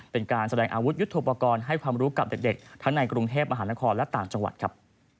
เป็นการแสดงอาวุธยุทธโปรกรณ์ให้ความรู้กับเด็กทั้งในกรุงเทพมหานครและต่างจังหวัดครับ